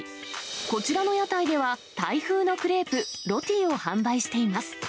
こちらの屋台では、タイ風のクレープ、ロティを販売しています。